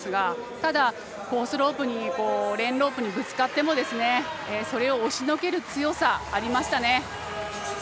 ただ、コースロープにぶつかっても、それを押しのける強さありましたね。